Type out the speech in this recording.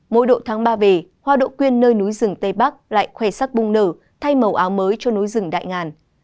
mỗi độ tháng ba về hoa độ quyên nơi núi rừng tây bắc lại khỏe sắc bung nở thay màu áo mới cho núi rừng đại ngàn